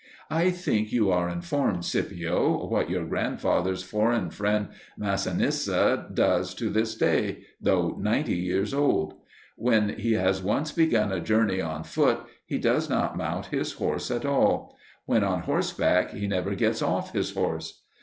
I think you are informed, Scipio, what your grandfather's foreign friend Masinissa does to this day, though ninety years old. When he has once begun a journey on foot he does not mount his horse at all; when on horseback he never gets off his horse.